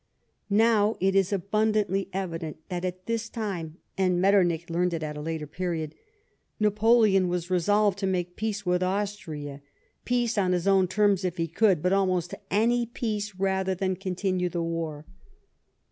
Now it is abundantly evident that at this time — and Metternich learnt it at a later period — Napoleon was resolved to make peace with Austria, peace on his own terms if he could, but almost any peace rather than continue the war.